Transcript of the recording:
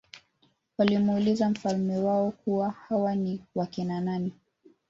walimuuliza mfalme wao kuwa hawa ni wakina nani